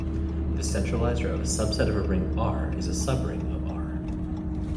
The centralizer of a subset of a ring "R" is a subring of "R".